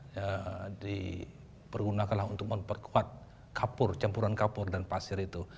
ya dipergunakanlah untuk memperkuat kapur campuran kapur dan pasir itu